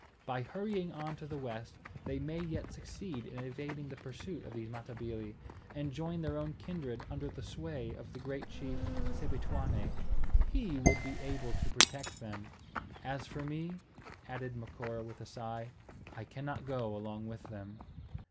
By hurrying on to the west, they may yet succeed in evading the pursuit of these Matabili, and join their own kindred under the sway of the great chief Sebituane. He would be able to protect them. As for me," added Macora with a sigh, "I cannot go along with them."